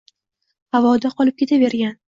Havoda qolib ketavergan